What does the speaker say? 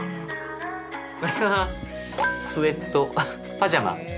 これはスウェットパジャマ。